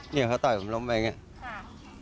เนี่ยเขาต่อยผมล้มไปอย่างนี้